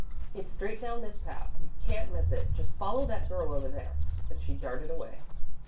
It's straight down this path; you can't miss it. Just follow that girl over there"; and she darted away.